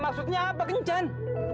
eh maksudnya apa kencan